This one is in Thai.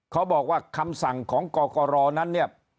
เขาบอกว่าคำสั่งของกรกรนั้นเนี่ย